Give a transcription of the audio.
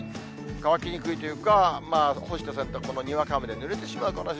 乾きにくいというか、干した洗濯物がにわか雨でぬれてしまう可能性